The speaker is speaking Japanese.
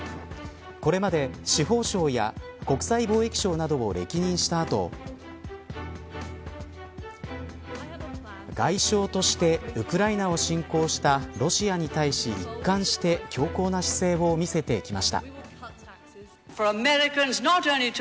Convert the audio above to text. これまで司法相や国際貿易相などを歴任した後外相として、ウクライナを侵攻したロシアに対し一貫して強硬な姿勢を見せてきました。